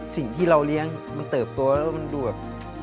สิ่งที่เราเลี้ยงมันเติบโตแล้วมันดูแบบ